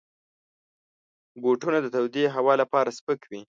بوټونه د تودې هوا لپاره سپک وي.